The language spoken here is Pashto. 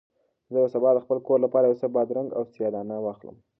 زه به سبا د خپل کور لپاره یو څه بادرنګ او سیاه دانه واخلم.